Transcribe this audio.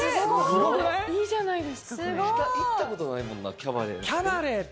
すごい！行ったことないもんなキャバレーなんて。